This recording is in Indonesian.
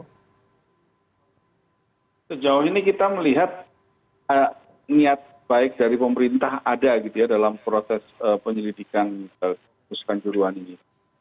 sejauh ini kita melihat niat baik dari pemerintah ada gitu ya dalam proses penyelidikan juruan ini